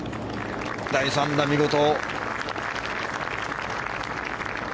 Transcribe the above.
第３打、見事。